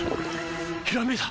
ひらめいた！